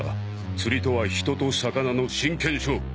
釣りとは人と魚の真剣勝負。